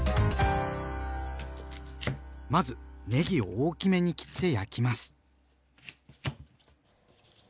まずねぎを大きめに切って焼きます。